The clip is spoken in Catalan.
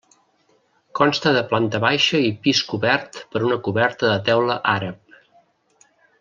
Consta de planta baixa i pis cobert per una coberta de teula àrab.